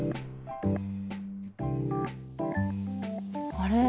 あれ？